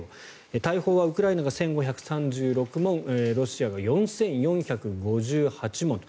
大砲はウクライナが１５３６門ロシアが４４５８門と。